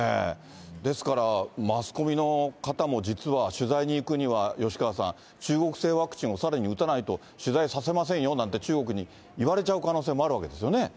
ですから、マスコミの方も実は取材に行くには、吉川さん、中国製ワクチンをさらに打たないと取材させませんよなんて、中国に言われちゃう可能性もあるわけですよね。